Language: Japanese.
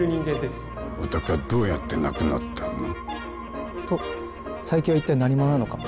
お宅はどうやって亡くなったの？と佐伯は一体何者なのか。